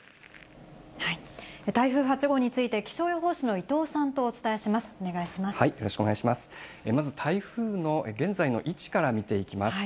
台風８号について、気象予報士の伊藤さんとお伝えします。